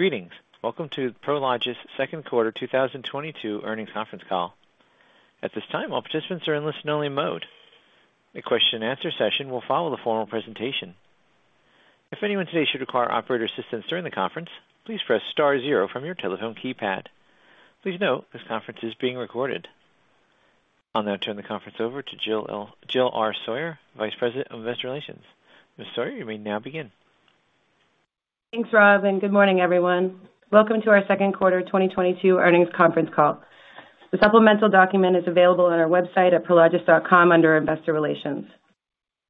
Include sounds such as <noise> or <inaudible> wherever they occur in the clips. Greetings. Welcome to Prologis Q2 2022 earnings conference call. At this time, all participants are in listen-only mode. A question and answer session will follow the formal presentation. If anyone today should require operator assistance during the conference, please press star zero from your telephone keypad. Please note this conference is being recorded. I'll now turn the conference over to Jill Sawyer, Vice President of Investor Relations. Ms. Sawyer, you may now begin. Thanks, Rob, and good morning, everyone. Welcome to our Q2 2022 earnings conference call. The supplemental document is available on our website at prologis.com under Investor Relations.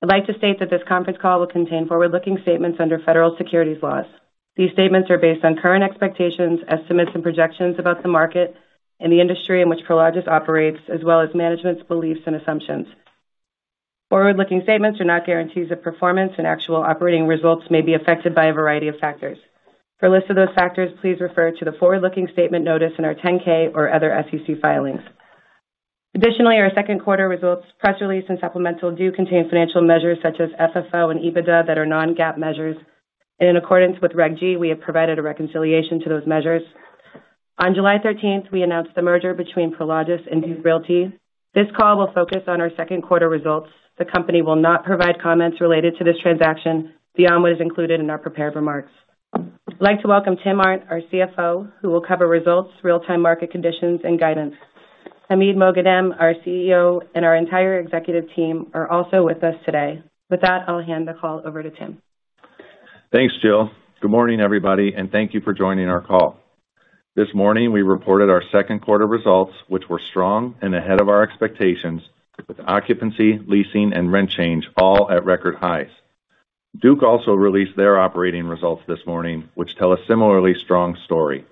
I'd like to state that this conference call will contain forward-looking statements under federal securities laws. These statements are based on current expectations, estimates, and projections about the market and the industry in which Prologis operates, as well as management's beliefs and assumptions. Forward-looking statements are not guarantees of performance, and actual operating results may be affected by a variety of factors. For a list of those factors, please refer to the forward-looking statement notice in our 10-K or other SEC filings. Additionally, our Q2 results, press release, and supplemental do contain financial measures such as FFO and EBITDA that are non-GAAP measures. In accordance with Reg G, we have provided a reconciliation to those measures. On July 13th, we announced the merger between Prologis and Duke Realty. This call will focus on our Q2 results. The company will not provide comments related to this transaction beyond what is included in our prepared remarks. I'd like to welcome Tim Arndt, our CFO, who will cover results, real-time market conditions, and guidance. Hamid Moghadam, our CEO, and our entire executive team are also with us today. With that, I'll hand the call over to Tim. Thanks, Jill. Good morning, everybody, and thank you for joining our call. This morning we reported our Q2 results, which were strong and ahead of our expectations, with occupancy, leasing, and rent change all at record highs. Duke also released their operating results this morning, which tell a similarly strong story.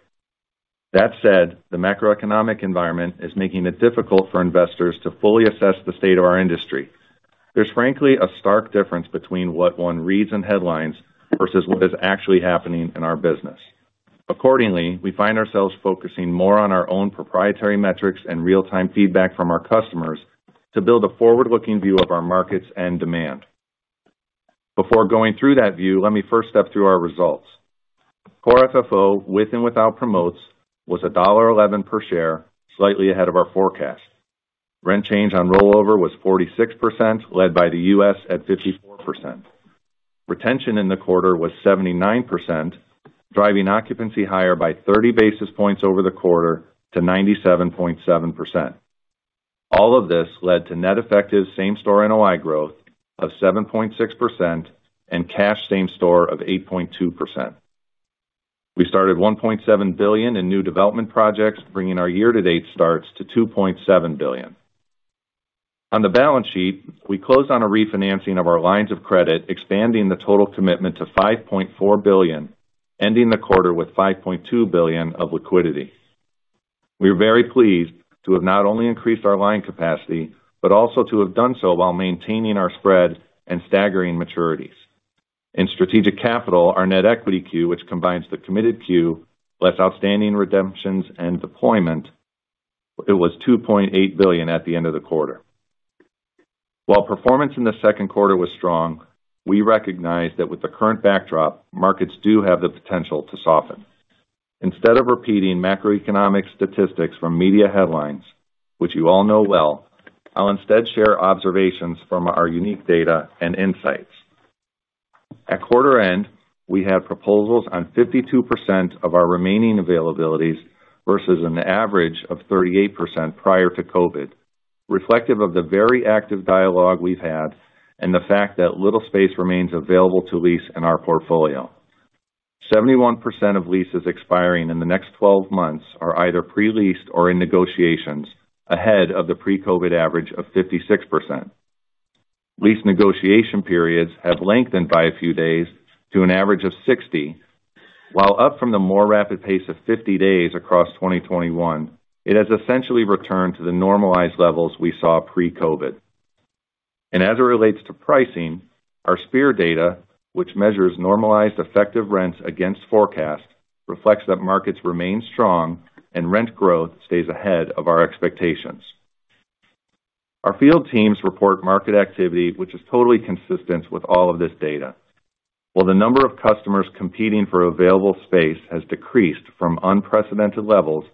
That said, the macroeconomic environment is making it difficult for investors to fully assess the state of our industry. There's frankly a stark difference between what 1 reads in headlines versus what is actually happening in our business. Accordingly, we find ourselves focusing more on our own proprietary metrics and real-time feedback from our customers to build a forward-looking view of our markets and demand. Before going through that view, let me first step through our results. Core FFO, with and without promotes, was $1.11 per share, slightly ahead of our forecast. Rent change on rollover was 46%, led by the U.S. at 54%. Retention in the quarter was 79%, driving occupancy higher by 30 basis points over the quarter to 97.7%. All of this led to net effective same-store NOI growth of 7.6% and cash same store of 8.2%. We started $1.7 billion in new development projects, bringing our year-to-date starts to $2.7 billion. On the balance sheet, we closed on a refinancing of our lines of credit, expanding the total commitment to $5.4 billion, ending the quarter with $5.2 billion of liquidity. We are very pleased to have not only increased our line capacity, but also to have done so while maintaining our spread and staggering maturities. In strategic capital, our net equity queue, which combines the committed queue less outstanding redemptions and deployment, it was $2.8 billion at the end of the quarter. While performance in the Q2 was strong, we recognize that with the current backdrop, markets do have the potential to soften. Instead of repeating macroeconomic statistics from media headlines, which you all know well, I'll instead share observations from our unique data and insights. At quarter end, we had proposals on 52% of our remaining availabilities versus an average of 38% prior to COVID, reflective of the very active dialogue we've had and the fact that little space remains available to lease in our portfolio. 71% of leases expiring in the next 12 months are either pre-leased or in negotiations ahead of the pre-COVID average of 56%. Lease negotiation periods have lengthened by a few days to an average of 60. While up from the more rapid pace of 50 days across 2021, it has essentially returned to the normalized levels we saw pre-COVID. As it relates to pricing, our SPEAR data, which measures normalized effective rents against forecast, reflects that markets remain strong and rent growth stays ahead of our expectations. Our field teams report market activity, which is totally consistent with all of this data. While the number of customers competing for available space has decreased from unprecedented levels,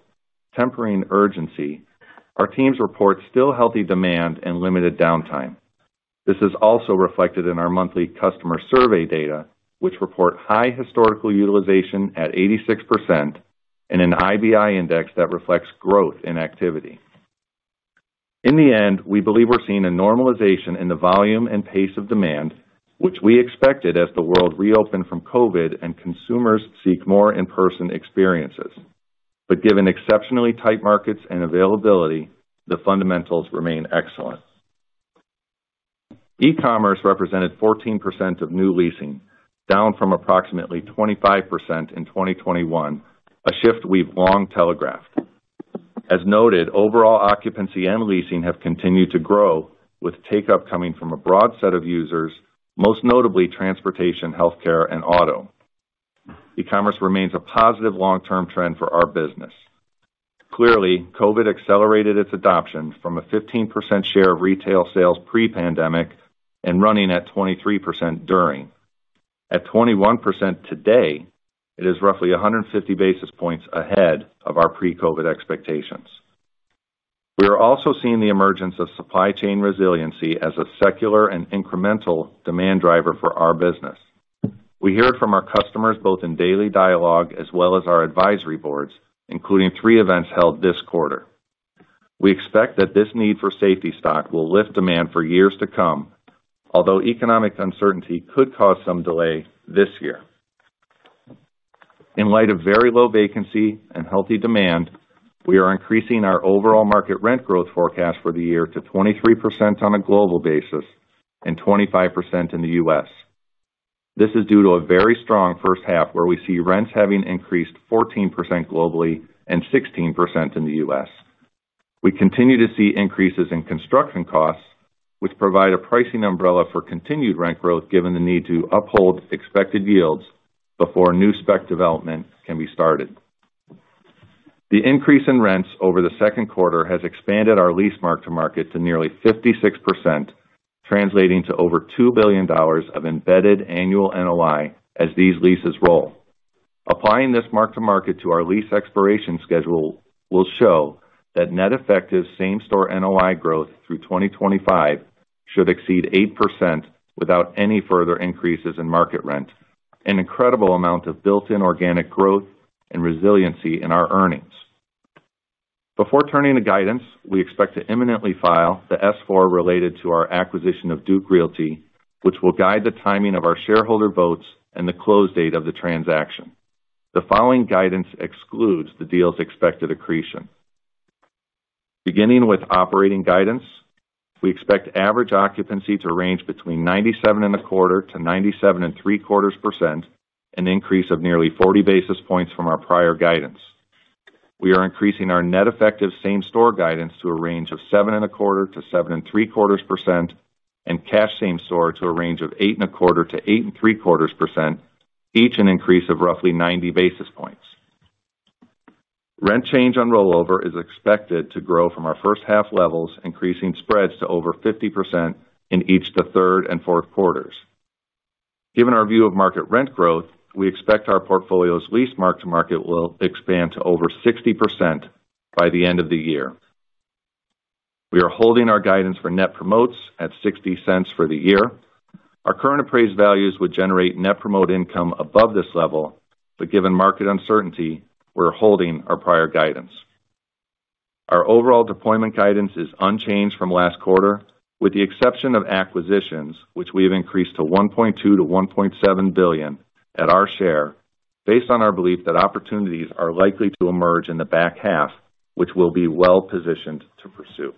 tempering urgency, our teams report still healthy demand and limited downtime. This is also reflected in our monthly customer survey data, which report high historical utilization at 86% and an IBI index that reflects growth in activity. In the end, we believe we're seeing a normalization in the volume and pace of demand, which we expected as the world reopened from COVID and consumers seek more in-person experiences. Given exceptionally tight markets and availability, the fundamentals remain excellent. E-commerce represented 14% of new leasing, down from approximately 25% in 2021, a shift we've long telegraphed. As noted, overall occupancy and leasing have continued to grow, with take-up coming from a broad set of users, most notably transportation, healthcare, and auto. E-commerce remains a positive long-term trend for our business. Clearly, COVID accelerated its adoption from a 15% share of retail sales pre-pandemic and running at 23% during. At 21% today, it is roughly 150 basis points ahead of our pre-COVID expectations. We are also seeing the emergence of supply chain resiliency as a secular and incremental demand driver for our business. We hear it from our customers, both in daily dialogue as well as our advisory boards, including 3 events held this quarter. We expect that this need for safety stock will lift demand for years to come. Although economic uncertainty could cause some delay this year. In light of very low vacancy and healthy demand, we are increasing our overall market rent growth forecast for the year to 23% on a global basis and 25% in the U.S. This is due to a very strong H1 where we see rents having increased 14% globally and 16% in the U.S. We continue to see increases in construction costs, which provide a pricing umbrella for continued rent growth, given the need to uphold expected yields before new spec development can be started. The increase in rents over the Q2 has expanded our lease mark-to-market to nearly 56%, translating to over $2 billion of embedded annual NOI as these leases roll. Applying this mark-to-market to our lease expiration schedule will show that net effective same-store NOI growth through 2025 should exceed 8% without any further increases in market rent, an incredible amount of built-in organic growth and resiliency in our earnings. Before turning to guidance, we expect to imminently file the S-4 related to our acquisition of Duke Realty, which will guide the timing of our shareholder votes and the close date of the transaction. The following guidance excludes the deal's expected accretion. Beginning with operating guidance, we expect average occupancy to range between 97.25% to 97.75%, an increase of nearly 40 basis points from our prior guidance. We are increasing our net effective same store guidance to a range of 7.25% to 7.75%, and cash same store to a range of 8.25% to 8.75%, each an increase of roughly 90 basis points. Rent change on rollover is expected to grow from our H1 levels, increasing spreads to over 50% in each of the Q3 and Q4's. Given our view of market rent growth, we expect our portfolio's lease mark-to-market will expand to over 60% by the end of the year. We are holding our guidance for net promotes at $0.60 for the year. Our current appraised values would generate net promote income above this level, but given market uncertainty, we're holding our prior guidance. Our overall deployment guidance is unchanged from last quarter, with the exception of acquisitions, which we have increased to $1.2 billion-$1.7 billion at our share based on our belief that opportunities are likely to emerge in the back half, which we'll be well positioned to pursue.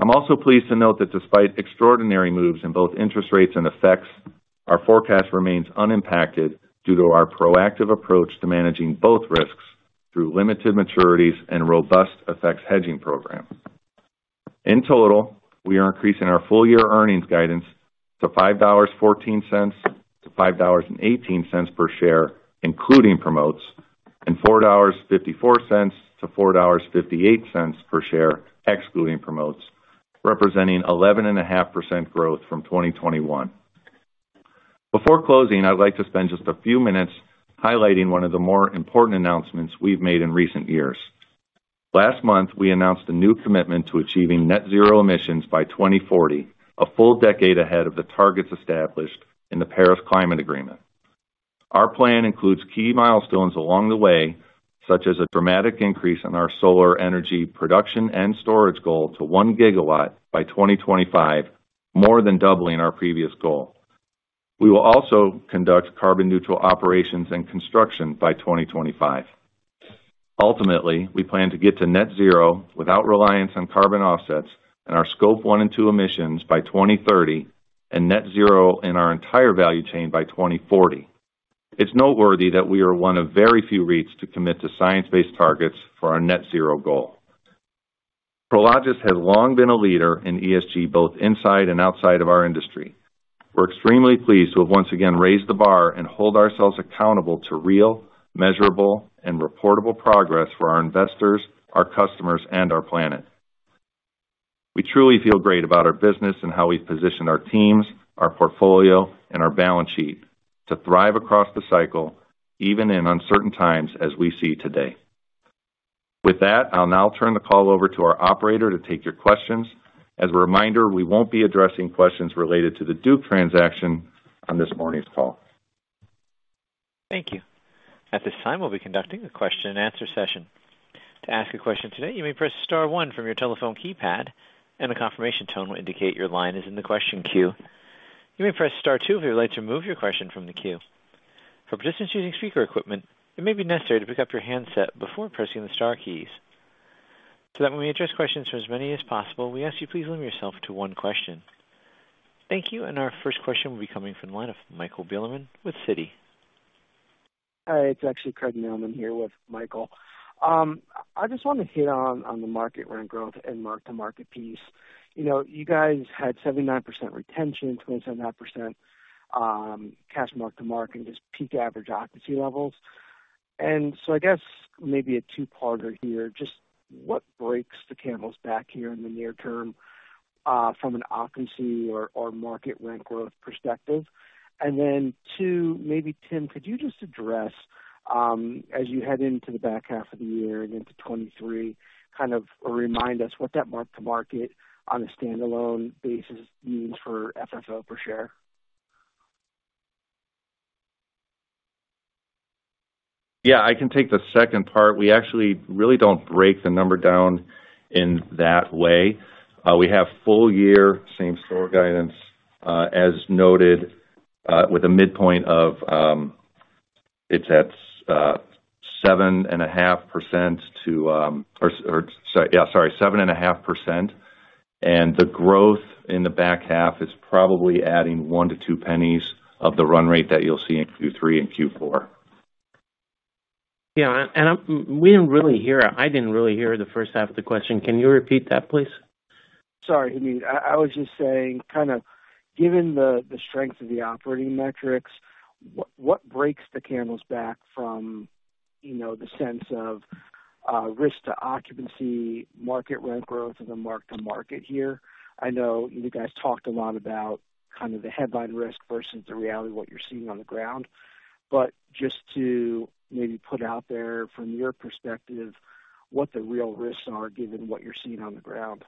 I'm also pleased to note that despite extraordinary moves in both interest rates and FX, our forecast remains unimpacted due to our proactive approach to managing both risks through limited maturities and robust FX hedging program. In total, we are increasing our full-year earnings guidance to $5.14 to $5.18 per share, including promotes, and $4.54 to $4.58 per share, excluding promotes, representing 11.5% growth from 2021. Before closing, I'd like to spend just a few minutes highlighting one of the more important announcements we've made in recent years. Last month, we announced a new commitment to achieving net zero emissions by 2040, a full decade ahead of the targets established in the Paris Agreement. Our plan includes key milestones along the way, such as a dramatic increase in our solar energy production and storage goal to 1 gigawatt by 2025, more than doubling our previous goal. We will also conduct carbon neutral operations and construction by 2025. Ultimately, we plan to get to net zero without reliance on carbon offsets in our scope 1 and 2 emissions by 2030 and net zero in our entire value chain by 2040. It's noteworthy that we are one of very few REITs to commit to science-based targets for our net zero goal. Prologis has long been a leader in ESG, both inside and outside of our industry. We're extremely pleased to have once again raised the bar and hold ourselves accountable to real, measurable, and reportable progress for our investors, our customers, and our planet. We truly feel great about our business and how we've positioned our teams, our portfolio, and our balance sheet to thrive across the cycle, even in uncertain times as we see today. With that, I'll now turn the call over to our operator to take your questions. As a reminder, we won't be addressing questions related to the Duke transaction on this morning's call. Thank you. At this time, we'll be conducting a question and answer session. To ask a question today, you may press star one from your telephone keypad and a confirmation tone will indicate your line is in the question queue. You may press star two if you would like to remove your question from the queue. For participants using speaker equipment, it may be necessary to pick up your handset before pressing the star keys. That when we address questions for as many as possible, we ask you please limit yourself to 1 question. Thank you. Our first question will be coming from the line of Michael Bilerman with Citi. Hi, it's actually Craig Mailman here with Michael. I just want to hit on the market rent growth and mark-to-market piece. You know, you guys had 79% retention, 27.5% cash mark-to-market and just peak average occupancy levels. I guess maybe a 2-parter here. Just what breaks the camel's back here in the near term from an occupancy or market rent growth perspective? Then 2, maybe Tim, could you just address as you head into the back half of the year and into 2023, kind of remind us what that mark-to-market on a standalone basis means for FFO per share? Yeah, I can take the second part. We actually really don't break the number down in that way. We have full year same store guidance, as noted, with a midpoint of 7.5%. The growth in the back half is probably adding 1 to 2 pennies of the run rate that you'll see in Q3 and Q4. Yeah. I didn't really hear the H1 of the question. Can you repeat that, please? Sorry. I mean, I was just saying kind of given the strength of the operating metrics, what breaks the camel's back from, you know, the sense of risk to occupancy, market rent growth and the mark-to-market here? I know you guys talked a lot about kind of the headline risk versus the reality of what you're seeing on the ground. Just to maybe put out there from your perspective, what the real risks are given what you're seeing on the ground?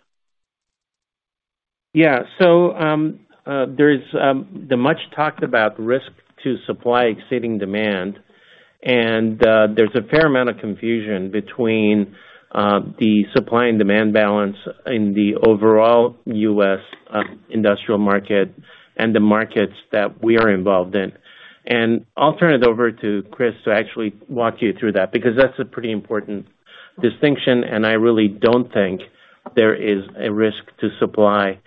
Yeah. There's the much talked about risk to supply exceeding demand. There's a fair amount of confusion between the supply and demand balance in the overall U.S. industrial market and the markets that we are involved in. I'll turn it over to Chris to actually walk you through that, because that's a pretty important distinction, and I really don't think there is a risk to supply,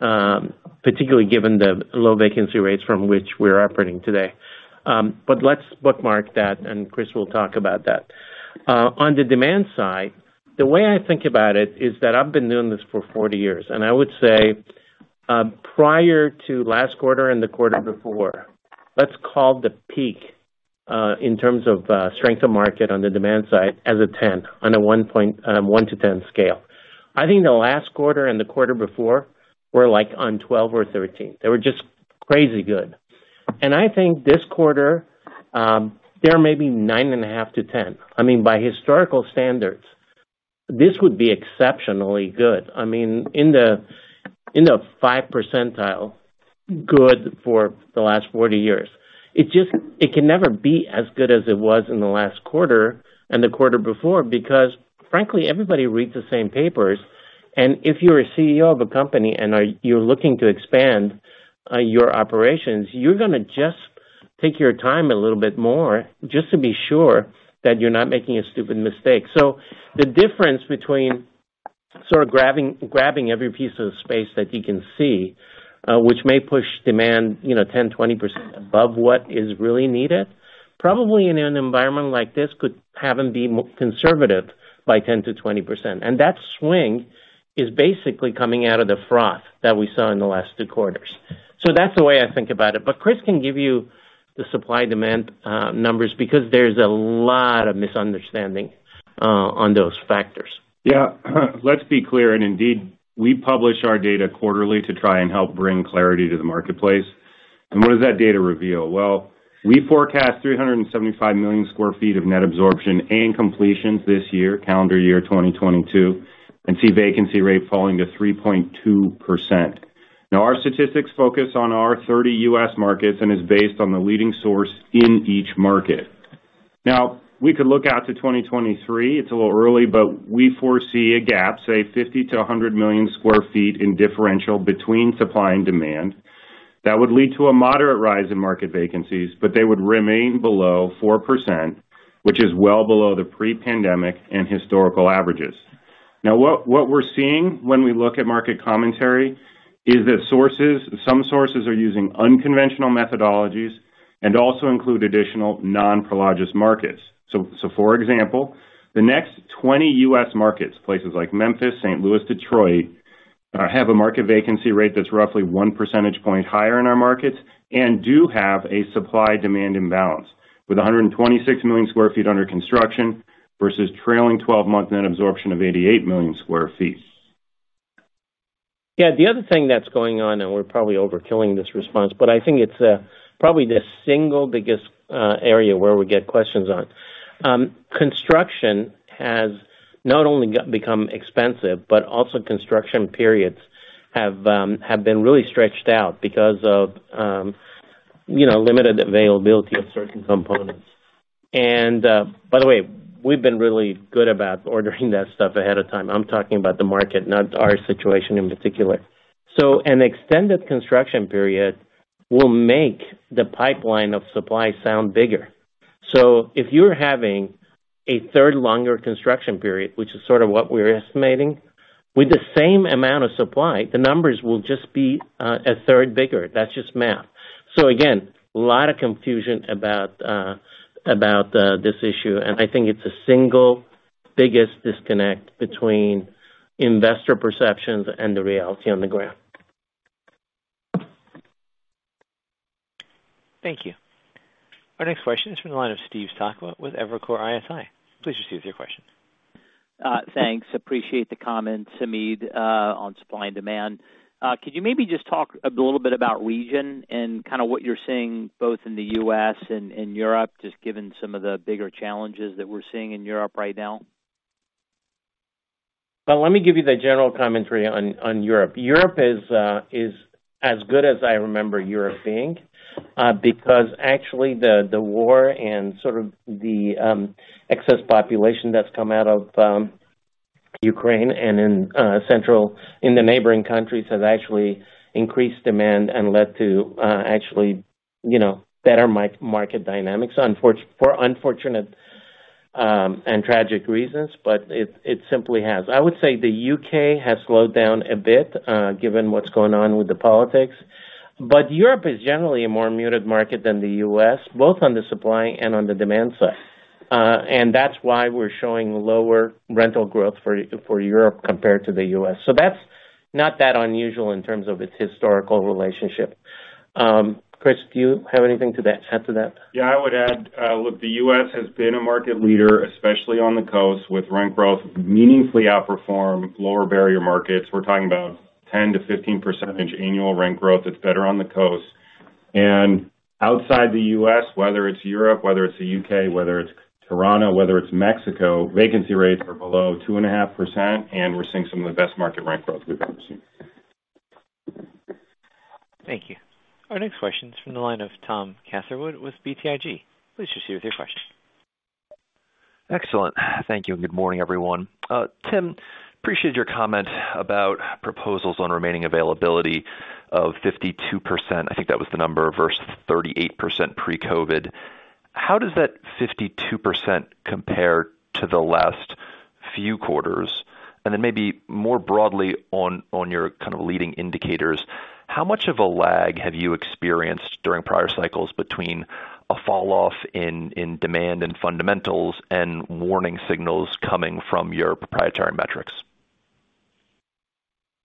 particularly given the low vacancy rates from which we're operating today. Let's bookmark that and Chris will talk about that. On the demand side, the way I think about it is that I've been doing this for 40 years, and I would say, prior to last quarter and the quarter before, let's call the peak, in terms of, strength of market on the demand side as a 10 on a 1 to 10 scale. I think the last quarter and the quarter before were like on 12 or 13. They were just crazy good. I think this quarter, they may be 9.5 to 10. I mean, by historical standards, this would be exceptionally good. I mean, in the 5th% good for the last 40 years. It just can never be as good as it was in the last quarter and the quarter before, because frankly, everybody reads the same papers. If you're a CEO of a company and you're looking to expand your operations, you're gonna just take your time a little bit more just to be sure that you're not making a stupid mistake. The difference between sort of grabbing every piece of space that you can see, which may push demand, you know, 10, 20% above what is really needed, probably in an environment like this could have them be more conservative by 10% to 20%. That swing is basically coming out of the froth that we saw in the last 2 quarters. That's the way I think about it. Chris can give you the supply demand numbers because there's a lot of misunderstanding on those factors. Yeah. Let's be clear, and indeed, we publish our data quarterly to try and help bring clarity to the marketplace. What does that data reveal? Well, we forecast 375 million sq ft of net absorption and completions this year, calendar year 2022, and see vacancy rate falling to 3.2%. Now, our statistics focus on our 30 U.S. markets and is based on the leading source in each market. Now, we could look out to 2023. It's a little early, but we foresee a gap, say 50 to 100 million sq ft in differential between supply and demand. That would lead to a moderate rise in market vacancies, but they would remain below 4%, which is well below the pre-pandemic and historical averages. Now, what we're seeing when we look at market commentary is that sources, some sources are using unconventional methodologies and also include additional non-Prologis markets. For example, the next 20 US markets, places like Memphis, St. Louis, Detroit, have a market vacancy rate that's roughly 1 percentage point higher in our markets and do have a supply-demand imbalance with 126 million sq ft under construction versus trailing 12-month net absorption of 88 million sq ft. Yeah. The other thing that's going on, and we're probably overkilling this response, but I think it's probably the single biggest area where we get questions on. Construction has not only become expensive, but also construction periods have been really stretched out because of you know, limited availability of certain components. By the way, we've been really good about ordering that stuff ahead of time. I'm talking about the market, not our situation in particular. An extended construction period will make the pipeline of supply sound bigger. If you're having 1/3 longer construction period, which is sort of what we're estimating, with the same amount of supply, the numbers will just be 1/3 bigger. That's just math. Again, a lot of confusion about this issue, and I think it's a single biggest disconnect between investor perceptions and the reality on the ground. Thank you. Our next question is from the line of Steve Sakwa with Evercore ISI. Please proceed with your question. Thanks. Appreciate the comments, Hamid, on supply and demand. Could you maybe just talk a little bit about regions and kind of what you're seeing both in the U.S. and Europe, just given some of the bigger challenges that we're seeing in Europe right now? Well, let me give you the general commentary on Europe. Europe is as good as I remember Europe being, because actually, the war and sort of the excess population that's come out of Ukraine and in the neighboring countries has actually increased demand and led to actually, you know, better market dynamics. For unfortunate and tragic reasons, but it simply has. I would say the U.K. has slowed down a bit, given what's going on with the politics. Europe is generally a more muted market than the U.S., both on the supply and on the demand side. That's why we're showing lower rental growth for Europe compared to the U.S. That's not that unusual in terms of its historical relationship. Chris, do you have anything to add to that? Yeah. I would add, look, the U.S. has been a market leader, especially on the coast, with rent growth meaningfully outperform lower barrier markets. We're talking about 10% to 15% annual rent growth that's better on the coast. Outside the U.S., whether it's Europe, whether it's the U.K., whether it's Toronto, whether it's Mexico, vacancy rates are below 2.5%, and we're seeing some of the best market rent growth we've ever seen. Thank you. Our next question is from the line of Tom Catherwood with BTIG. Please proceed with your question. Excellent. Thank you, and good morning, everyone. Tim, appreciate your comment about proposals on remaining availability of 52%, I think that was the number, versus 38% pre-COVID. How does that 52% compare to the last few quarters? Then maybe more broadly on your kind of leading indicators, how much of a lag have you experienced during prior cycles between a falloff in demand and fundamentals and warning signals coming from your proprietary metrics?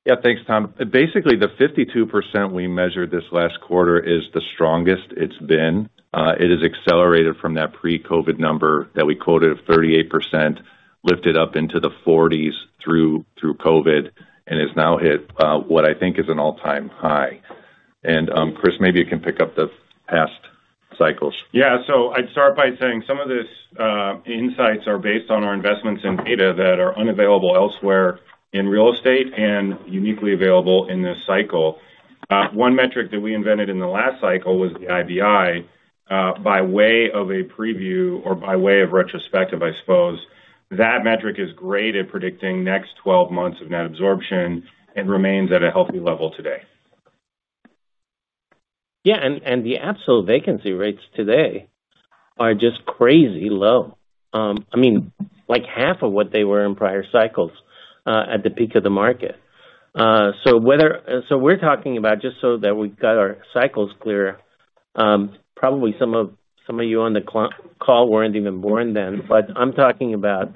Yeah. Thanks, Tom. Basically, the 52% we measured this last quarter is the strongest it's been. It has accelerated from that pre-COVID number that we quoted of 38%, lifted up into the 40s through COVID, and has now hit what I think is an all-time high. Chris, maybe you can pick up the past cycles. I'd start by saying some of this insights are based on our investments in data that are unavailable elsewhere in real estate and uniquely available in this cycle. 1 metric that we invented in the last cycle was the IBI, by way of a preview or by way of retrospective, I suppose. That metric is great at predicting next 12 months of net absorption and remains at a healthy level today. Yeah. The absolute vacancy rates today are just crazy low. I mean, like, half of what they were in prior cycles, at the peak of the market. We're talking about, just so that we've got our cycles clear, probably some of you on the call weren't even born then, but I'm talking about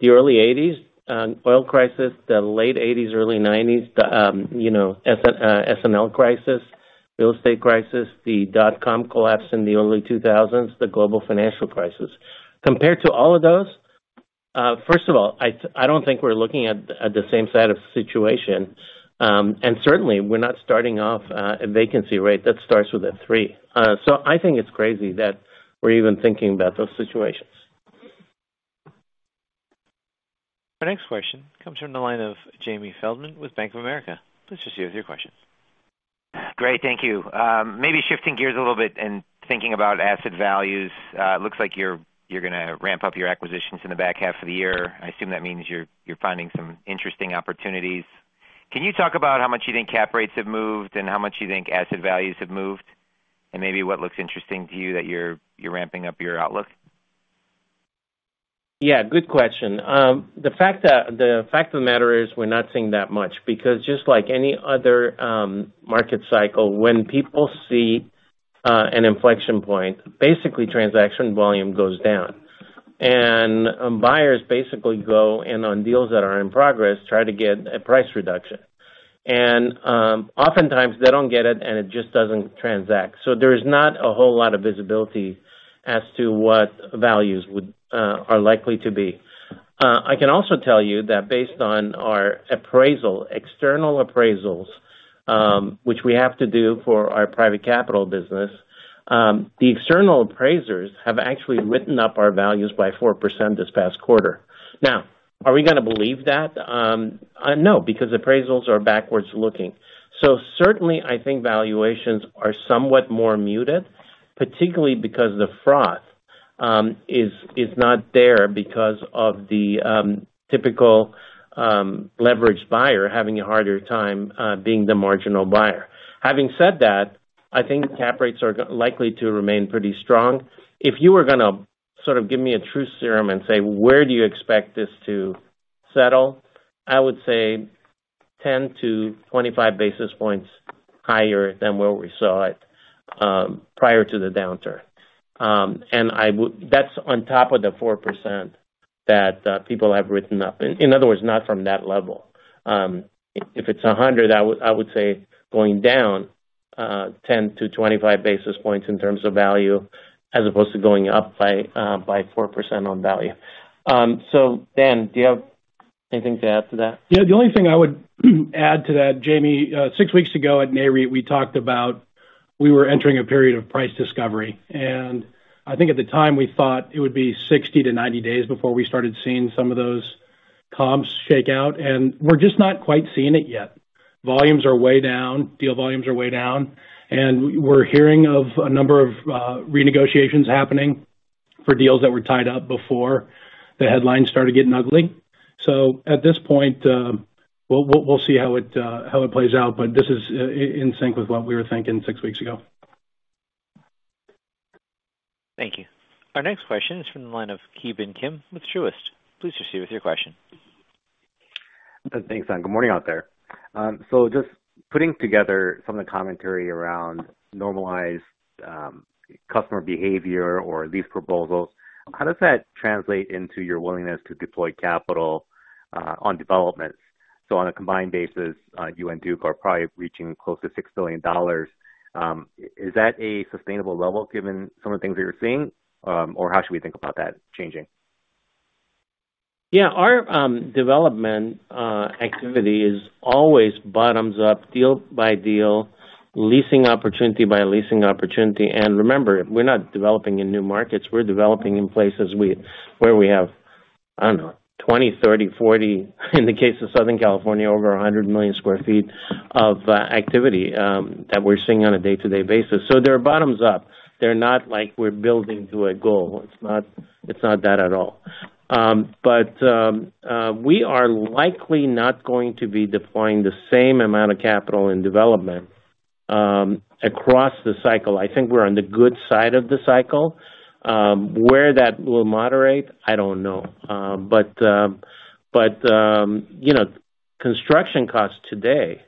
the early 1980s, oil crisis, the late 1980s, early 1990s, the, you know, S&L crisis, real estate crisis, the dot-com collapse in the early 2000s, the global financial crisis. Compared to all of those, first of all, I don't think we're looking at the same side of the situation. Certainly we're not starting off, a vacancy rate that starts with a 3. I think it's crazy that we're even thinking about those situations. Our next question comes from the line of Jamie Feldman with Bank of America. Please proceed with your question. Great. Thank you. Maybe shifting gears a little bit and thinking about asset values. It looks like you're gonna ramp up your acquisitions in the back half of the year. I assume that means you're finding some interesting opportunities. Can you talk about how much you think cap rates have moved and how much you think asset values have moved, and maybe what looks interesting to you that you're ramping up your outlook? Yeah, good question. The fact of the matter is we're not seeing that much because just like any other market cycle, when people see an inflection point, basically transaction volume goes down. Buyers basically go in on deals that are in progress, try to get a price reduction. Oftentimes they don't get it, and it just doesn't transact. There is not a whole lot of visibility as to what values are likely to be. I can also tell you that based on our appraisal, external appraisals, which we have to do for our private capital business, the external appraisers have actually written up our values by 4% this past quarter. Now, are we gonna believe that? No, because appraisals are backwards looking. Certainly I think valuations are somewhat more muted, particularly because the froth is not there because of the typical leveraged buyer having a harder time being the marginal buyer. Having said that, I think cap rates are likely to remain pretty strong. If you were gonna sort of give me a true scenario and say, "Where do you expect this to settle?" I would say 10 to 25 basis points higher than where we saw it prior to the downturn. That's on top of the 4% that people have written up. In other words, not from that level. If it's 100, I would say going down 10 to 25 basis points in terms of value, as opposed to going up by 4% on value. Dan, do you have anything to add to that? Yeah. The only thing I would add to that, Jamie, 6 weeks ago at Nareit, we talked about we were entering a period of price discovery. I think at the time we thought it would be 60 to 90 days before we started seeing some of those comps shake out, and we're just not quite seeing it yet. Volumes are way down. Deal volumes are way down. We're hearing of a number of renegotiations happening for deals that were tied up before the headlines started getting ugly. At this point, we'll see how it plays out, but this is in sync with what we were thinking 6 weeks ago. Thank you. Our next question is from the line of Ki Bin Kim with Truist. Please proceed with your question. Thanks. Good morning out there. Just putting together some of the commentary around normalized customer behavior or lease proposals, how does that translate into your willingness to deploy capital on developments? On a combined basis, you and Duke are probably reaching close to $6 billion. Is that a sustainable level given some of the things that you're seeing, or how should we think about that changing? Yeah. Our development activity is always bottoms up, deal by deal, leasing opportunity by leasing opportunity. Remember, we're not developing in new markets. We're developing in places where we have, I don't know, 20, 30, 40, in the case of Southern California, over 100 million sq ft of activity that we're seeing on a day-to-day basis. They're bottoms up. They're not like we're building to a goal. It's not that at all. We are likely not going to be deploying the same amount of capital in development across the cycle. I think we're on the good side of the cycle. Where that will moderate, I don't know. You know, construction costs today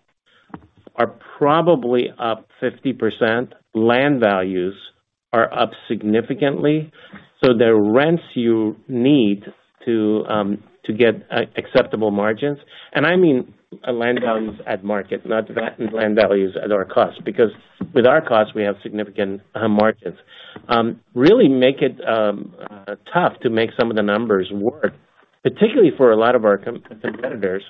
are probably up 50%. Land values are up significantly. The rents you need to get acceptable margins, and I mean land values at market, not land values at our cost, because with our cost we have significant margins, really make it tough to make some of the numbers work, particularly for a lot of our competitors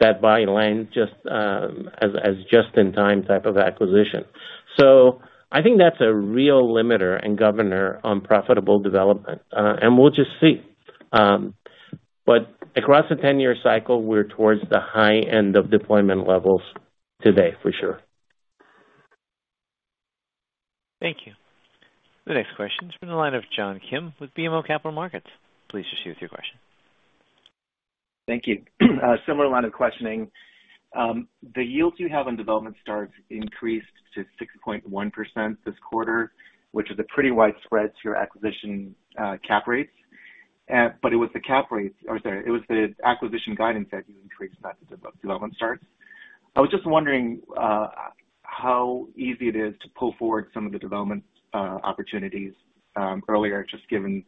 that buy land just as just-in-time type of acquisition. I think that's a real limiter and governor on profitable development. We'll just see. Across the 10-year cycle, we're towards the high end of deployment levels today for sure. Thank you. The next question is from the line of John Kim with BMO Capital Markets. Please proceed with your question. Thank you. A similar line of questioning. The yields you have on development starts increased to 6.1% this quarter, which is a pretty wide spread to your acquisition cap rates. It was the acquisition guidance that you increased not the development starts. I was just wondering how easy it is to pull forward some of the development opportunities earlier, just given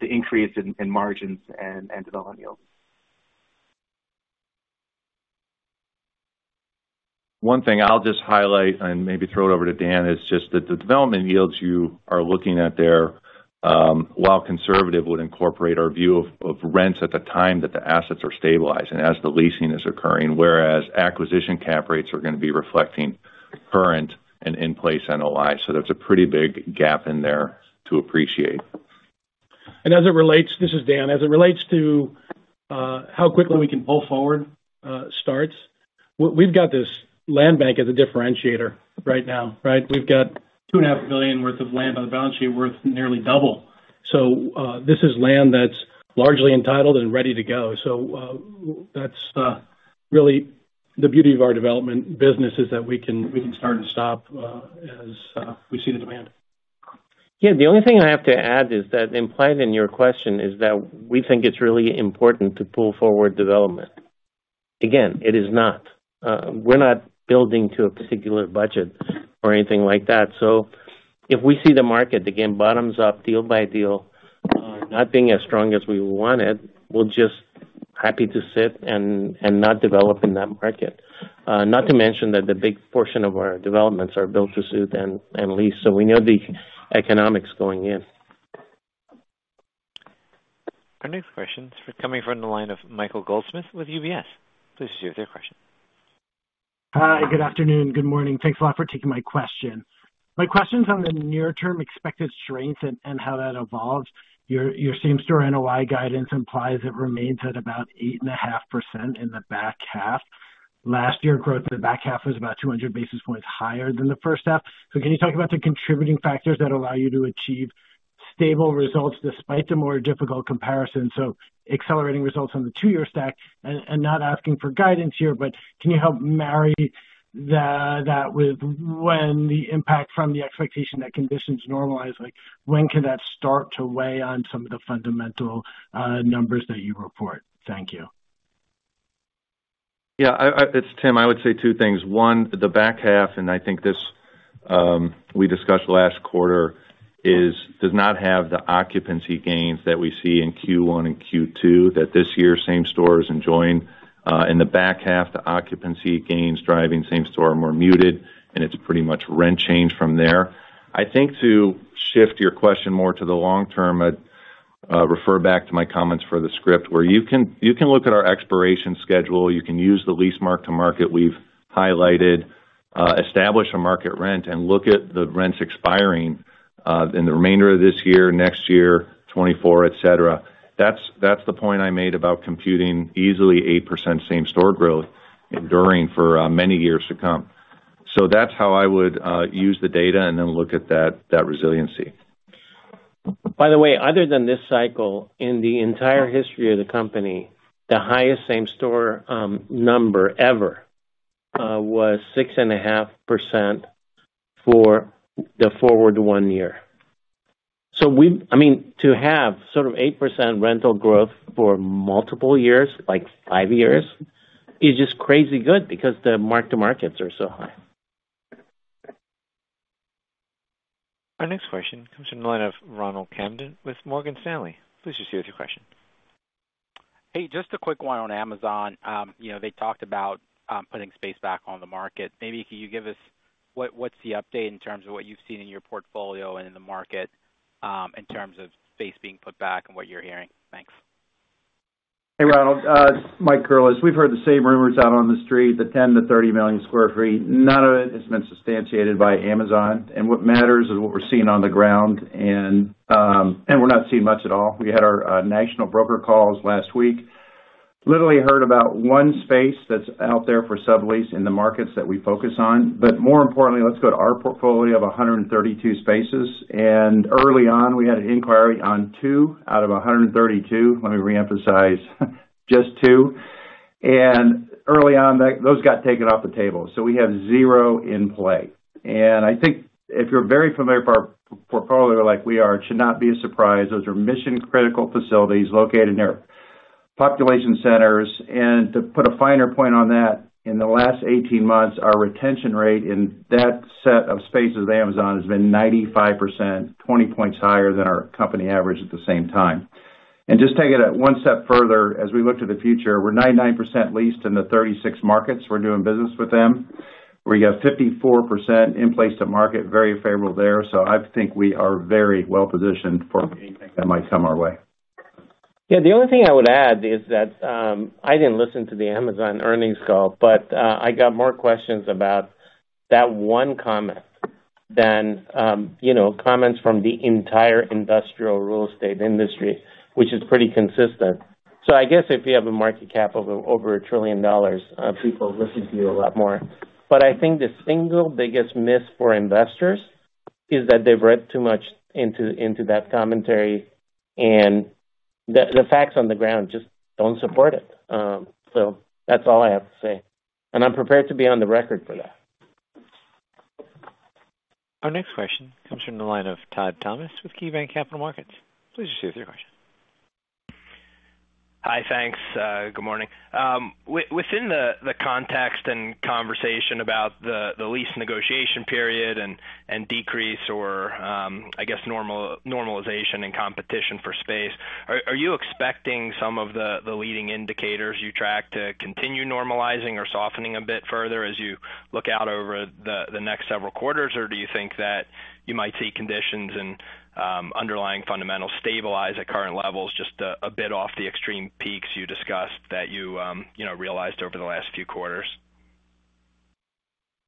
the increase in margins and development yields. 1 thing I'll just highlight and maybe throw it over to Dan is just that the development yields you are looking at there, while conservative, would incorporate our view of rents at the time that the assets are stabilizing as the leasing is occurring, whereas acquisition cap rates are gonna be reflecting current and in-place NOI. There's a pretty big gap in there to appreciate. This is Dan. As it relates to how quickly we can pull forward starts, we've got this land bank as a differentiator right now, right? We've got $2.5 million worth of land on the balance sheet worth nearly double. This is land that's largely entitled and ready to go. That's really the beauty of our development business is that we can start and stop as we see the demand. Yeah. The only thing I have to add is that implied in your question is that we think it's really important to pull forward development. Again, it is not. We're not building to a particular budget or anything like that. If we see the market, again, bottoms up, deal by deal, not being as strong as we wanted, we'll just be happy to sit and not develop in that market. Not to mention that the big portion of our developments are built to suit and lease, so we know the economics going in. Our next question is coming from the line of Michael Goldsmith with UBS. Please proceed with your question. Hi, good afternoon. Good morning. Thanks a lot for taking my question. My question is on the near-term expected strengths and how that evolves. Your same store NOI guidance implies it remains at about 8.5% in the back half. Last year, growth in the back half was about 200 basis points higher than the H1. Can you talk about the contributing factors that allow you to achieve stable results despite the more difficult comparison? Accelerating results on the 2-year stack and not asking for guidance here, but can you help marry that with when the impact from the expectation that conditions normalize, like when can that start to weigh on some of the fundamental numbers that you report? Thank you. Yeah, it's Tim. I would say 2 things. 1, the back half, and I think this we discussed last quarter, it does not have the occupancy gains that we see in Q1 and Q2, that this year same store is enjoying. In the back half, the occupancy gains driving same store are more muted, and it's pretty much rent change from there. I think to shift your question more to the long term, I'd refer back to my comments for the script where you can look at our expiration schedule, you can use the lease mark-to-market we've highlighted, establish a market rent, and look at the rents expiring in the remainder of this year, next year, 2024, et cetera. That's the point I made about computing easily 8% same store growth enduring for many years to come. That's how I would use the data and then look at that resiliency. By the way, other than this cycle, in the entire history of the company, the highest same-store number ever was 6.5% for the forward 1 year. I mean, to have sort of 8% rental growth for multiple years, like 5 years, is just crazy good because the mark-to-markets are so high. Our next question comes from the line of Ronald Kamdem with Morgan Stanley. Please proceed with your question. Hey, just a quick one on Amazon. You know, they talked about putting space back on the market. Maybe can you give us what's the update in terms of what you've seen in your portfolio and in the market, in terms of space being put back and what you're hearing? Thanks. Hey, Ronald, Mike Curless. We've heard the same rumors out on the street, the 10 to 30 million sq ft. None of it has been substantiated by Amazon. What matters is what we're seeing on the ground and we're not seeing much at all. We had our national broker calls last week. Literally heard about 1 space that's out there for sublease in the markets that we focus on. More importantly, let's go to our portfolio of 132 spaces. Early on, we had an inquiry on 2 out of 132. Let me reemphasize, just 2. Early on, those got taken off the table. We have zero in play. I think if you're very familiar with our portfolio like we are, it should not be a surprise. Those are mission critical facilities located near population centers. To put a finer point on that, in the last 18 months, our retention rate in that set of spaces with Amazon has been 95%, 20 points higher than our company average at the same time. Just take it 1 step further, as we look to the future, we're 99% leased in the 36 markets we're doing business with them. We have 54% in place to market, very favorable there. I think we are very well positioned for anything that might come our way. Yeah, the only thing I would add is that, I didn't listen to the Amazon earnings call, but, I got more questions about that 1 comment than, you know, comments from the entire industrial real estate industry, which is pretty consistent. I guess if you have a market cap of over $1 trillion, people listen to you a lot more. I think the single biggest miss for investors is that they've read too much into that commentary, and the facts on the ground just don't support it. That's all I have to say. I'm prepared to be on the record for that. Our next question comes from the line of Todd Thomas with KeyBanc Capital Markets. Please proceed with your question. Hi, thanks. Good morning. Within the context and conversation about the lease negotiation period and decrease or, I guess normalization and competition for space, are you expecting some of the leading indicators you track to continue normalizing or softening a bit further as you look out over the next several quarters? Do you think that you might see conditions and underlying fundamentals stabilize at current levels just a bit off the extreme peaks you discussed that you know, realized over the last few quarters?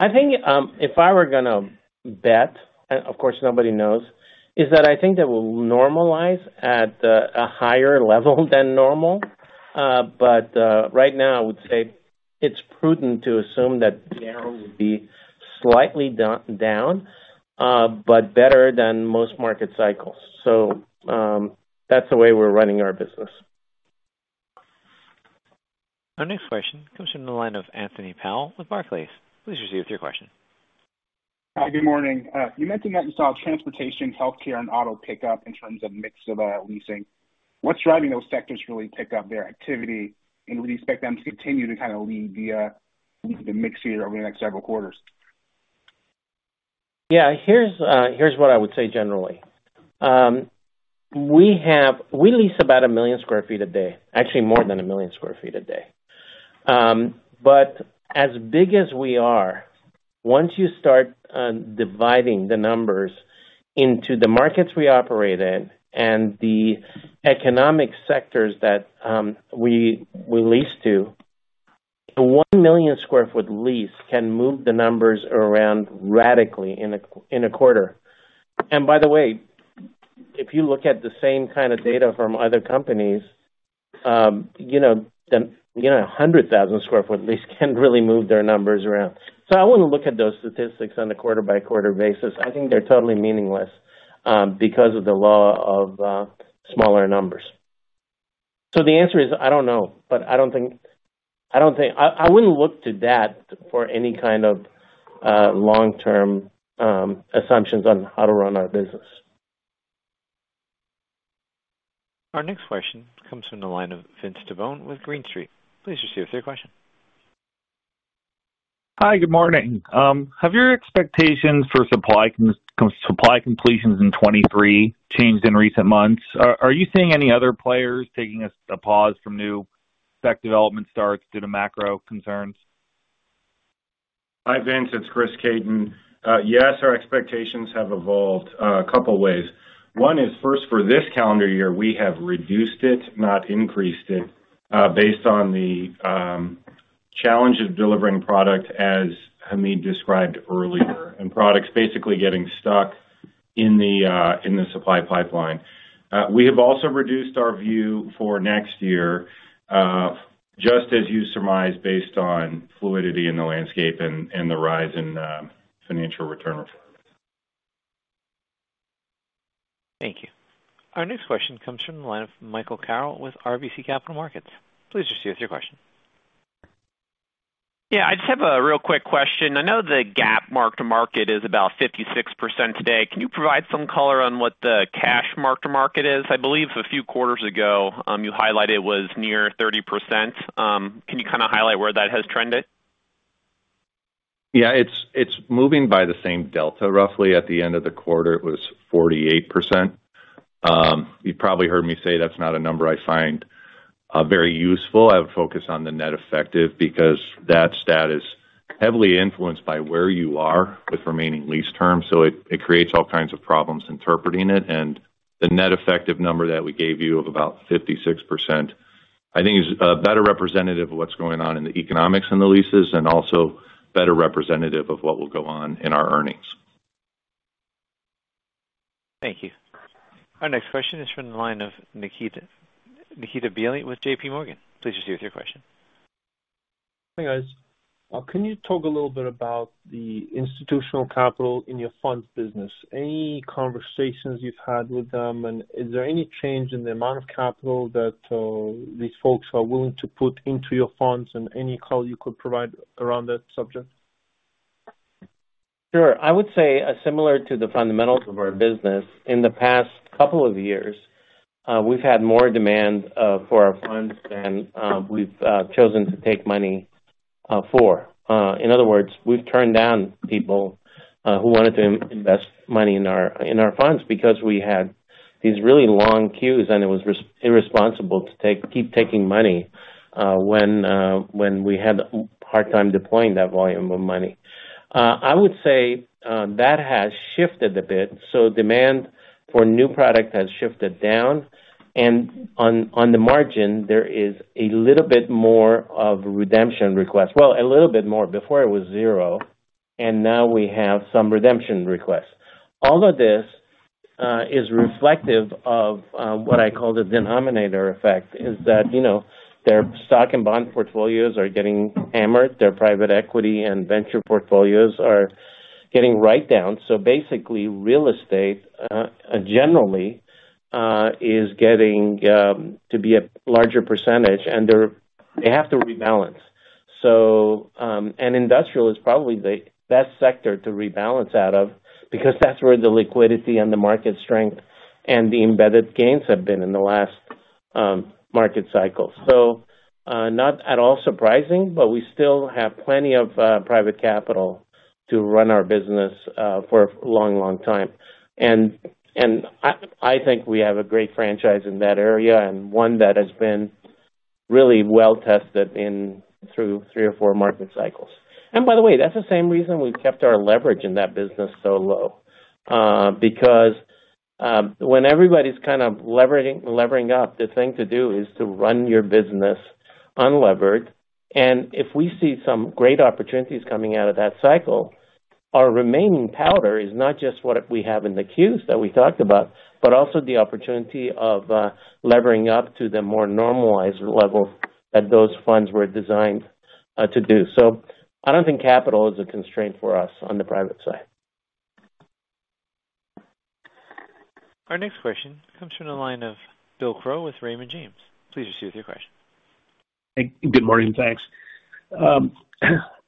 I think, if I were gonna bet, and of course nobody knows, is that I think that we'll normalize at a higher level than normal. Right now I would say it's prudent to assume that general would be slightly down, but better than most market cycles. That's the way we're running our business. Our next question comes from the line of Anthony Powell with Barclays. Please proceed with your question. Hi, good morning. You mentioned that you saw transportation, healthcare, and auto pick up in terms of mix of leasing. What's driving those sectors to really pick up their activity? And would you expect them to continue to kind of lead the mix here over the next several quarters? Yeah. Here's what I would say generally. We lease about 1 million sq ft a day. Actually more than 1 million sq ft a day. As big as we are, once you start dividing the numbers into the markets we operate in and the economic sectors that we lease to, a 1 million sq ft lease can move the numbers around radically in a quarter. By the way, if you look at the same kind of data from other companies, you know, then, you know, a 100,000 sq ft lease can really move their numbers around. I wouldn't look at those statistics on a quarter-by-quarter basis. I think they're totally meaningless, because of the law of smaller numbers. The answer is, I don't know, but I don't think I wouldn't look to that for any kind of long-term assumptions on how to run our business. Our next question comes from the line of Vince Tibone with Green Street. Please proceed with your question. Hi, good morning. Have your expectations for supply completions in 2023 changed in recent months? Are you seeing any other players taking a pause from new spec development starts due to macro concerns? Hi, Vince, it's Chris Caton. Yes, our expectations have evolved a couple ways. 1 is, first, for this calendar year, we have reduced it, not increased it, based on the challenge of delivering product as Hamid described earlier, and products basically getting stuck in the supply pipeline. We have also reduced our view for next year, just as you surmise, based on fluidity in the landscape and the rise in financial return requirements. Thank you. Our next question comes from the line of Michael Carroll with RBC Capital Markets. Please proceed with your question. Yeah, I just have a real quick question. I know the GAAP mark to market is about 56% today. Can you provide some color on what the cash mark to market is? I believe a few quarters ago, you highlighted it was near 30%. Can you kinda highlight where that has trended? Yeah, it's moving by the same delta roughly. At the end of the quarter, it was 48%. You probably heard me say that's not a number I find very useful. I would focus on the net effective because that stat is heavily influenced by where you are with remaining lease terms, so it creates all kinds of problems interpreting it. The net effective number that we gave you of about 56%, I think is a better representative of what's going on in the economics and the leases, and also better representative of what will go on in our earnings. Thank you. Our next question is from the line of <inaudible> with JP Morgan. Please proceed with your question. Hey, guys. Can you talk a little bit about the institutional capital in your fund business? Any conversations you've had with them, and is there any change in the amount of capital that these folks are willing to put into your funds and any color you could provide around that subject? Sure. I would say similar to the fundamentals of our business. In the past couple of years, we've had more demand for our funds than we've chosen to take money for. In other words, we've turned down people who wanted to invest money in our funds because we had these really long queues, and it was irresponsible to keep taking money when we had a hard time deploying that volume of money. I would say that has shifted a bit. Demand for new product has shifted down. On the margin, there is a little bit more of redemption requests. Well, a little bit more. Before it was 0, and now we have some redemption requests. All of this is reflective of what I call the denominator effect, that you know their stock and bond portfolios are getting hammered. Their private equity and venture portfolios are getting written down. Basically, real estate generally is getting to be a larger percentage, and they have to rebalance. Industrial is probably the best sector to rebalance out of because that's where the liquidity and the market strength and the embedded gains have been in the last market cycle. Not at all surprising, but we still have plenty of private capital to run our business for a long, long time. I think we have a great franchise in that area and one that has been really well tested through 3 or 4 market cycles. By the way, that's the same reason we've kept our leverage in that business so low. Because when everybody's kind of levering up, the thing to do is to run your business unlevered. If we see some great opportunities coming out of that cycle, our remaining powder is not just what we have in the queues that we talked about, but also the opportunity of levering up to the more normalized level that those funds were designed to do. I don't think capital is a constraint for us on the private side. Our next question comes from the line of Bill Crow with Raymond James. Please proceed with your question. Hey. Good morning. Thanks.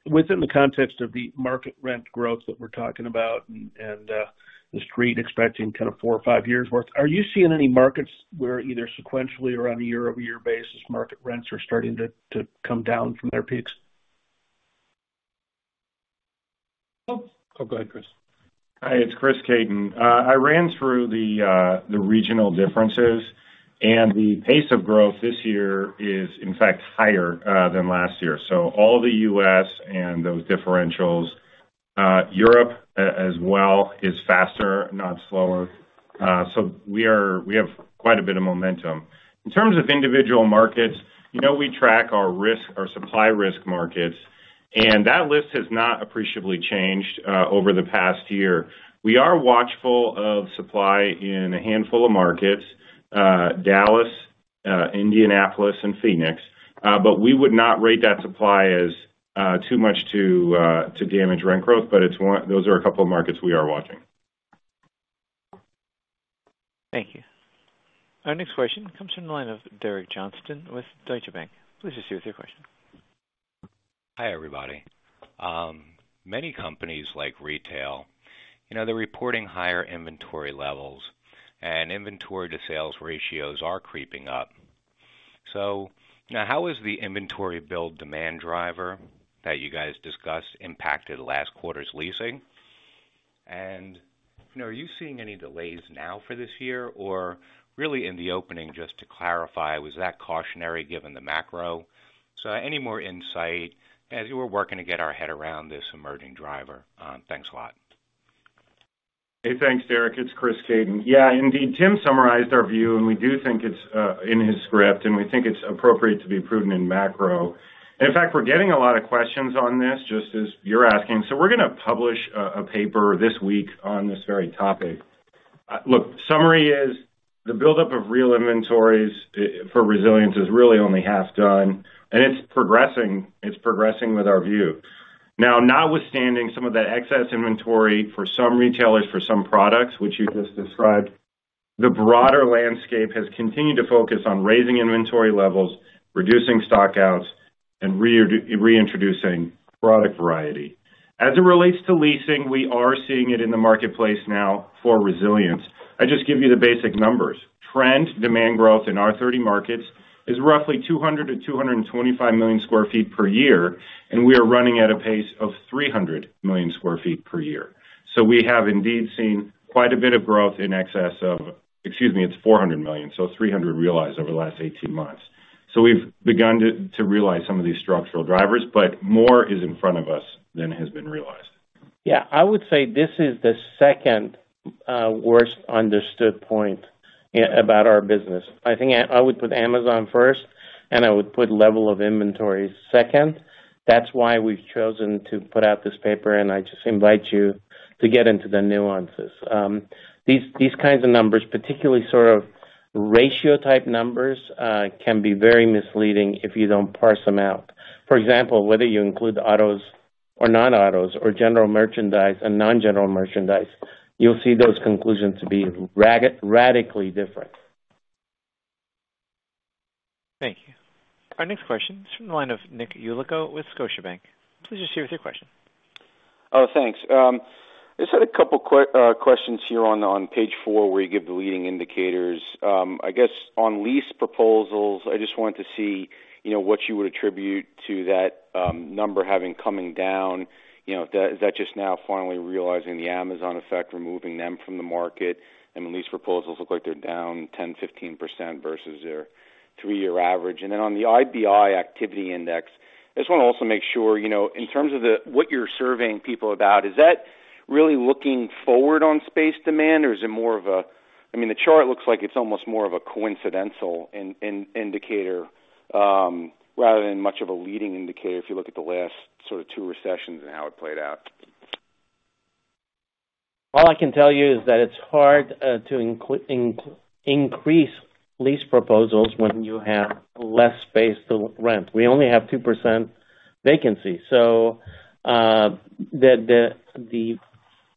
Within the context of the market rent growth that we're talking about and the street expecting kind of 4 or 5 years' worth, are you seeing any markets where either sequentially or on a year-over-year basis, market rents are starting to come down from their peaks? Oh. Oh, go ahead, Chris. Hi, it's Chris Caton. I ran through the regional differences, and the pace of growth this year is, in fact, higher than last year. All the U.S. and those differentials, Europe as well is faster, not slower. We have quite a bit of momentum. In terms of individual markets, you know, we track our risk, our supply risk markets, and that list has not appreciably changed over the past year. We are watchful of supply in a handful of markets, Dallas, Indianapolis, and Phoenix. We would not rate that supply as too much to damage rent growth. Those are a couple of markets we are watching. Thank you. Our next question comes from the line of Derek Johnston with Deutsche Bank. Please proceed with your question. Hi, everybody. Many companies like retail, you know, they're reporting higher inventory levels and inventory to sales ratios are creeping up. Now how is the inventory build demand driver that you guys discussed impacted last quarter's leasing? You know, are you seeing any delays now for this year? Really in the opening, just to clarify, was that cautionary given the macro? Any more insight as we're working to get our head around this emerging driver? Thanks a lot. Hey, thanks, Derek. It's Chris Caton. Yeah, indeed, Tim summarized our view, and we do think it's in his script, and we think it's appropriate to be prudent in macro. In fact, we're getting a lot of questions on this just as you're asking. We're gonna publish a paper this week on this very topic. Look, summary is the buildup of real inventories for resilience is really only half done, and it's progressing with our view. Now, notwithstanding some of that excess inventory for some retailers, for some products, which you just described, the broader landscape has continued to focus on raising inventory levels, reducing stock-outs, and reintroducing product variety. As it relates to leasing, we are seeing it in the marketplace now for resilience. I'll just give you the basic numbers. Trend demand growth in our 30 markets is roughly 200 to 225 million sq ft per year, and we are running at a pace of 400 million sq ft per year. We have indeed seen quite a bit of growth in excess of 400 million, so 300 realized over the last 18 months. We've begun to realize some of these structural drivers, but more is in front of us than has been realized. Yeah. I would say this is the second worst understood point about our business. I think I would put Amazon first, and I would put level of inventory second. That's why we've chosen to put out this paper, and I just invite you to get into the nuances. These kinds of numbers, particularly sort of ratio type numbers, can be very misleading if you don't parse them out. For example, whether you include autos or non-autos or general merchandise and non-general merchandise, you'll see those conclusions to be radically different. Thank you. Our next question is from the line of Nick Yulico with Scotiabank. Please go ahead with your question. Oh, thanks. Just had a couple questions here on page 4, where you give the leading indicators. I guess on lease proposals, I just wanted to see, you know, what you would attribute to that number having coming down. You know, that is that just now finally realizing the Amazon effect, removing them from the market? I mean, lease proposals look like they're down 10% to 15% versus their 3-year average. Then on the IBI activity index, I just wanna also make sure, you know, in terms of what you're surveying people about, is that really looking forward on space demand or is it more of a I mean, the chart looks like it's almost more of a coincidental indicator rather than much of a leading indicator if you look at the last sort of 2 recessions and how it played out. All I can tell you is that it's hard to increase lease proposals when you have less space to rent. We only have 2% vacancy. The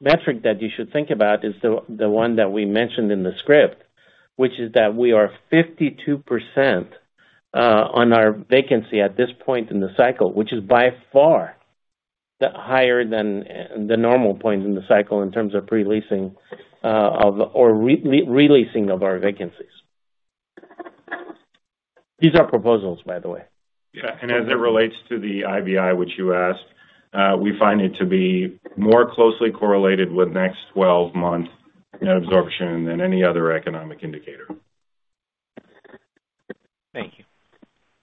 metric that you should think about is the one that we mentioned in the script, which is that we are 52% on our vacancy at this point in the cycle, which is by far higher than the normal point in the cycle in terms of pre-leasing or re-releasing of our vacancies. These are proposals, by the way. As it relates to the IBI, which you asked, we find it to be more closely correlated with next 12-month absorption than any other economic indicator. Thank you.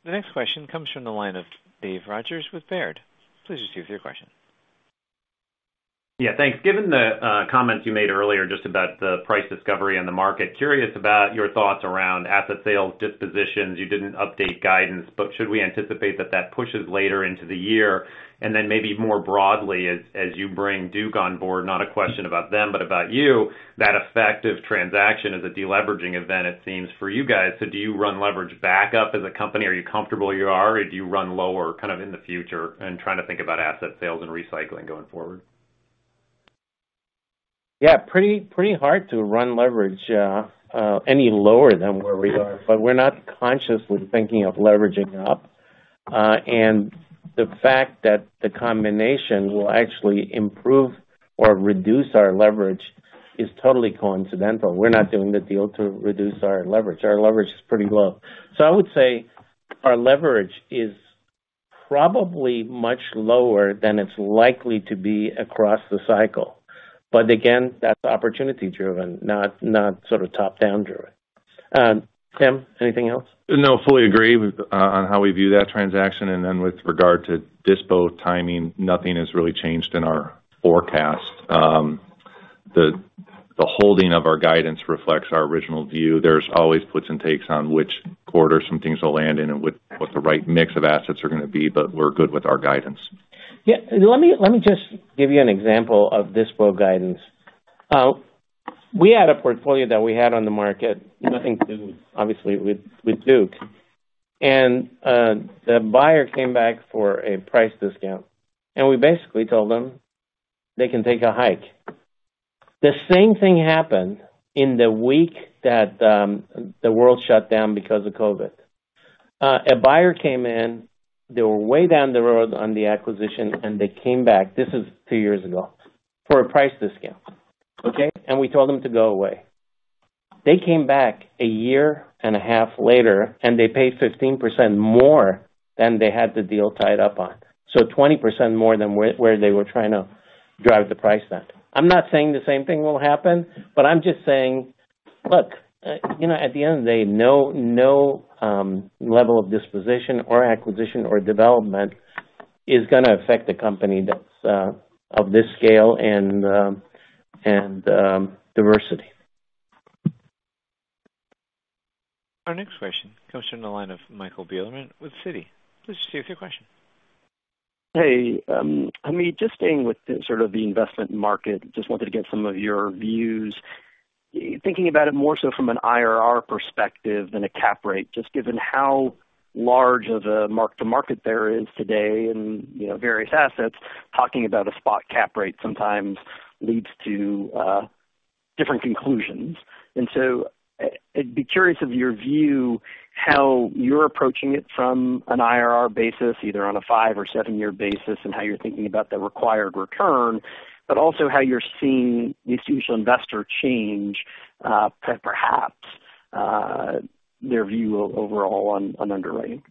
The next question comes from the line of David Rodgers with Baird. Please just give your question. Yeah, thanks. Given the comments you made earlier just about the price discovery in the market, curious about your thoughts around asset sales dispositions. You didn't update guidance, but should we anticipate that pushes later into the year? Then maybe more broadly as you bring Duke on board, not a question about them, but about you, that effect of transaction as a deleveraging event, it seems for you guys. Do you run leverage back up as a company? Are you comfortable where you are, or do you run lower kind of in the future and trying to think about asset sales and recycling going forward? Yeah. Pretty hard to run leverage any lower than where we are, but we're not consciously thinking of leveraging up. The fact that the combination will actually improve or reduce our leverage is totally coincidental. We're not doing the deal to reduce our leverage. Our leverage is pretty low. I would say our leverage is probably much lower than it's likely to be across the cycle. Again, that's opportunity-driven, not sort of top-down driven. Tim, anything else? No, fully agree on how we view that transaction. Then with regard to dispo timing, nothing has really changed in our forecast. The holding of our guidance reflects our original view. There's always puts and takes on which quarter some things will land in and what the right mix of assets are gonna be, but we're good with our guidance. Yeah. Let me just give you an example of dispo guidance. We had a portfolio that we had on the market, nothing to do obviously with Duke. The buyer came back for a price discount, and we basically told them they can take a hike. The same thing happened in the week that the world shut down because of COVID. A buyer came in, they were way down the road on the acquisition, and they came back, this is 2 years ago, for a price discount. Okay? We told them to go away. They came back a year and a half later, and they paid 15% more than they had the deal tied up on. 20% more than where they were trying to drive the price down. I'm not saying the same thing will happen, but I'm just saying, look, you know, at the end of the day, no level of disposition or acquisition or development is gonna affect the company that's of this scale and diversity. Our next question comes from the line of Michael Bilerman with Citi. Please proceed with your question. Hey, I mean, just staying with the sort of the investment market, just wanted to get some of your views. Thinking about it more so from an IRR perspective than a cap rate, just given how large of a mark-to-market there is today and, you know, various assets, talking about a spot cap rate sometimes leads to different conclusions. I'd be curious of your view, how you're approaching it from an IRR basis, either on a 5 or 7-year basis, and how you're thinking about the required return, but also how you're seeing the institutional investor change, perhaps, their view overall on underwriting.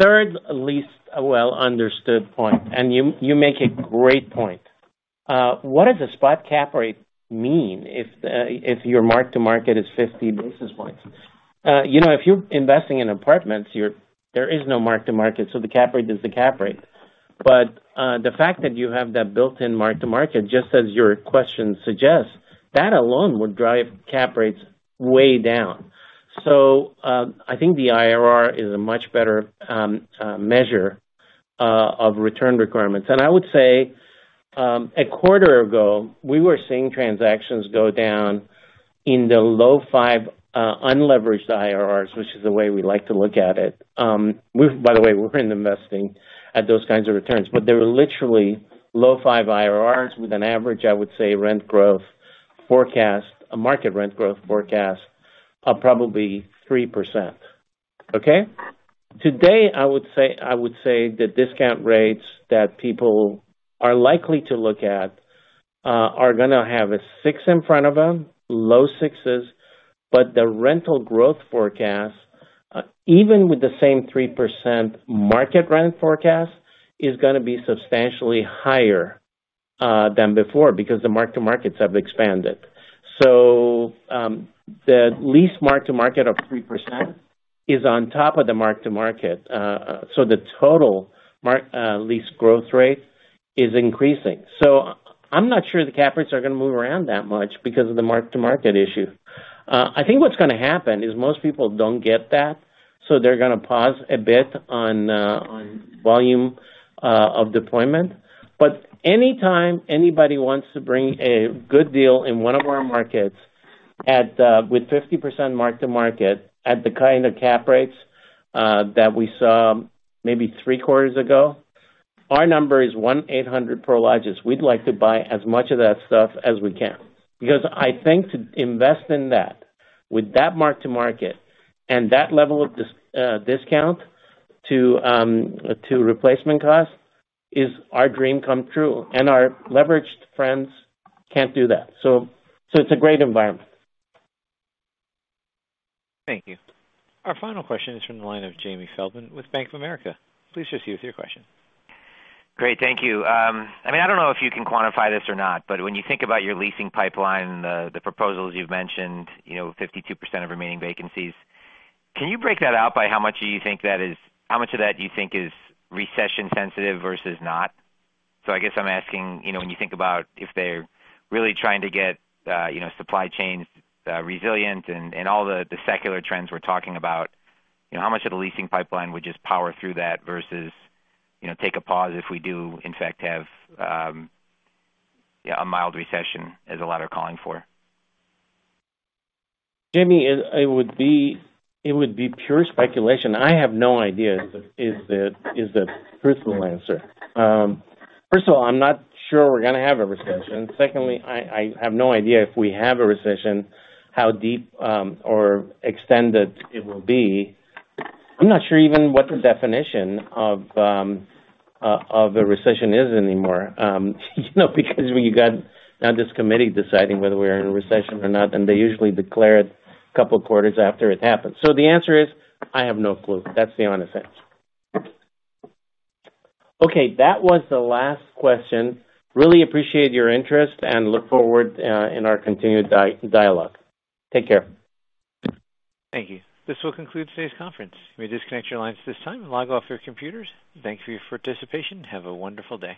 Third least well understood point, and you make a great point. What does a spot cap rate mean if your mark-to-market is 50 basis points? You know, if you're investing in apartments, there is no mark-to-market, so the cap rate is the cap rate. The fact that you have that built-in mark-to-market, just as your question suggests, that alone would drive cap rates way down. I think the IRR is a much better measure of return requirements. I would say, a quarter ago, we were seeing transactions go down in the low 5 unleveraged IRRs, which is the way we like to look at it. By the way, we're investing at those kinds of returns. They were literally low 5 IRRs with an average, I would say, rent growth forecast, a market rent growth forecast of probably 3%. Okay? Today, I would say, the discount rates that people are likely to look at are gonna have a 6 in front of them, low 6s. The rental growth forecast, even with the same 3% market rent forecast, is gonna be substantially higher than before because the mark-to-markets have expanded. The lease mark-to-market of 3% is on top of the mark-to-market. The total lease growth rate is increasing. I'm not sure the cap rates are gonna move around that much because of the mark-to-market issue. I think what's gonna happen is most people don't get that, so they're gonna pause a bit on volume of deployment. Anytime anybody wants to bring a good deal in one of our markets at with 50% mark-to-market at the kind of cap rates that we saw maybe 3 quarters ago, our number is 1 to 800 Prologis. We'd like to buy as much of that stuff as we can because I think to invest in that with that mark-to-market and that level of discount to replacement cost is our dream come true, and our leveraged friends can't do that. It's a great environment. Thank you. Our final question is from the line of Jamie Feldman with Bank of America. Please proceed with your question. Great, thank you. I mean, I don't know if you can quantify this or not, but when you think about your leasing pipeline, the proposals you've mentioned, you know, 52% of remaining vacancies, can you break that out by how much you think that is? How much of that do you think is recession sensitive versus not? I guess I'm asking, you know, when you think about if they're really trying to get supply chains resilient and all the secular trends we're talking about, you know, how much of the leasing pipeline would just power through that versus, you know, take a pause if we do in fact have a mild recession as a lot are calling for. Jamie, it would be pure speculation. I have no idea is the truthful answer. First of all, I'm not sure we're gonna have a recession. Secondly, I have no idea if we have a recession, how deep or extended it will be. I'm not sure even what the definition of a recession is anymore. You know, because when you got now this committee deciding whether we're in a recession or not, and they usually declare it a couple of quarters after it happens. The answer is, I have no clue. That's the honest answer. Okay. That was the last question. Really appreciate your interest and look forward in our continued dialogue. Take care. Thank you. This will conclude today's conference. You may disconnect your lines at this time and log off your computers. Thank you for your participation. Have a wonderful day.